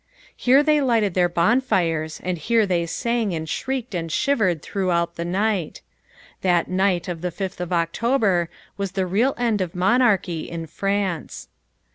Here they lighted their bonfires and here they sang and shrieked and shivered throughout the night. That night of the fifth of October was the real end of monarchy in France.